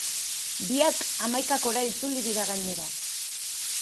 Biak hamaikakora itzuliko dira gainera.